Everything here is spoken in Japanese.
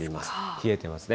冷えてますね。